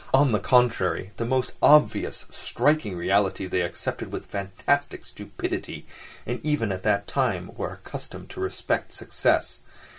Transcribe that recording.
On the contrary, the most obvious, striking reality they accepted with fantastic stupidity and even at that time were accustomed to respect success.